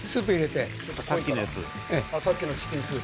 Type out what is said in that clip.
さっきのチキンスープ。